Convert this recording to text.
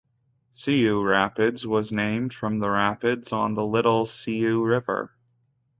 Sioux Rapids was named from the rapids on the Little Sioux River.